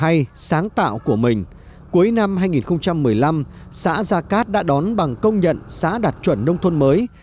hay sáng tạo của mình cuối năm hai nghìn một mươi năm xã gia cát đã đón bằng công nhận xã đạt chuẩn nông thôn mới